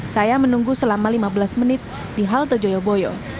saya menunggu selama lima belas menit di halte joyoboyo